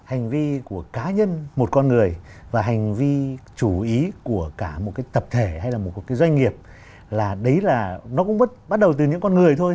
hành vi của cá nhân một con người và hành vi chủ ý của cả một cái tập thể hay là một cái doanh nghiệp là đấy là nó cũng bắt đầu từ những con người thôi